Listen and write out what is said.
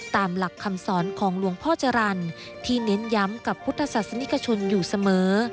ตามหลักคำสอนของหลวงพ่อจรรย์ที่เน้นย้ำกับพุทธศาสนิกชนอยู่เสมอ